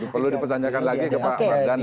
perlu dipertanyakan lagi ke pak mardhani